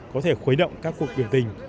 có thể khuấy động các cuộc biểu tình